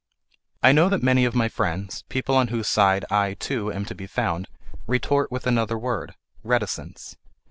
I know that many of my friends, people on whose side I, too, am to be found, retort with another word: reticence.